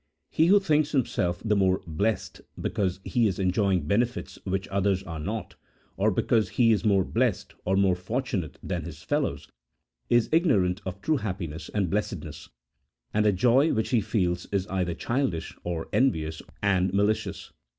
He who thinks himself the more blessed because he is en joying benefits which others are not, or because he is more blessed or more fortunate than his fellows, is ignorant of true happiness and blessedness, and the joy which he feels is either childish or envious and malicious.